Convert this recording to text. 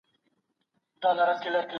یو سړي باندي خدای ډېر وو رحمېدلی